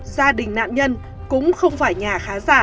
gia đình nạn nhân cũng không phải nhà khá giả